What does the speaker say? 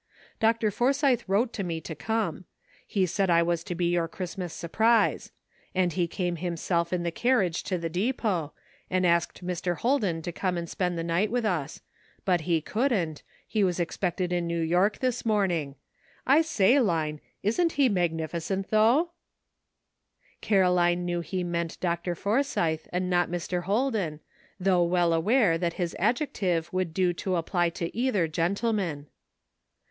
Dr. Forsythe wrote to me to come. He said I was to be your Christmas surprise ; and he came himself in the carriage to the depot, and asked Mr. Holden to come and spend the night with us ; but he couldn't, he was expected in New York this morning; I say, Line, isn't he magnificent though?" 318 ''MERRY CHRISTMAS." Caroline knew he meant Dr. Forsythe, and not Mr. Holden, though well aware that his adjective would do to apply to either gentleman.